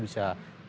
bisa segera sembuh